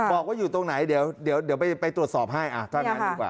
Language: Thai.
บอกว่าอยู่ตรงไหนเดี๋ยวไปตรวจสอบให้อ่ะตอนนี้หนึ่งกว่า